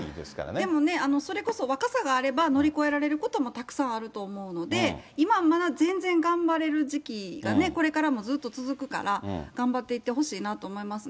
でもね、それこそ若さがあれば、乗り越えられることもたくさんあると思うので、今、まだ全然頑張れる時期がこれからもずっと続くから、頑張っていってほしいなと思いますね。